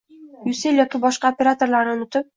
Ucell yoki boshqa operatorlarini unutib